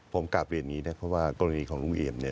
ผมกลับเรียนนี้นะเพราะว่ากรณีของลุงเอี่ยมเนี่ย